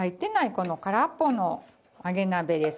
この空っぽの揚げ鍋です。